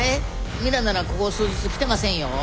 ミラならここ数日来てませんよ。